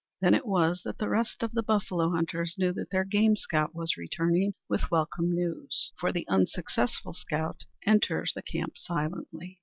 Then it was that the rest of the buffalo hunters knew that their game scout was returning with welcome news; for the unsuccessful scout enters the camp silently.